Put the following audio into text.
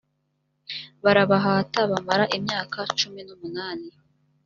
barabahata bamara imyaka cumi n’ umunani